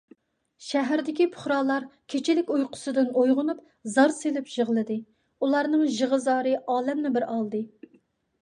شەھەردىكى پۇقرالار كېچىلىك ئۇيقۇسىدىن ئويغىنىپ، زار سېلىپ يىغلىدى، ئۇلارنىڭ يىغا - زارى ئالەمنى بىر ئالدى.